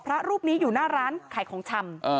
พระรูปนี้อยู่หน้าร้านขายของชำ